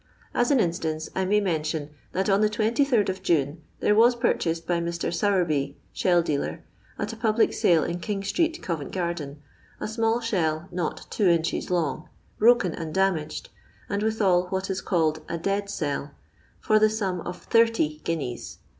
As an instance I may mention that on the 28rd of June there was pur chased by Mr. Sowerby, shell dealer, at a public sale in King street, Coven t garden, a small shell not two inches long, broken and damaged, and withal what is called a " dead shell," for the sum of 80 guineas.